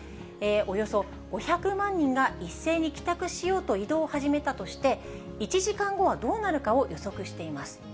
およそ５００万人が一斉に帰宅しようと移動を始めたとして、１時間後はどうなるかを予測しています。